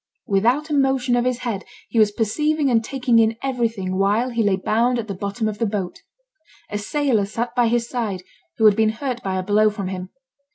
Without a motion of his head, he was perceiving and taking in everything while he lay bound at the bottom of the boat. A sailor sat by his side, who had been hurt by a blow from him.